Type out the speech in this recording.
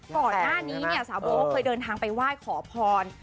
ก่อนหน้านี้เนี่ยสาวโบเขาเคยเดินทางไปไหว้ขอพร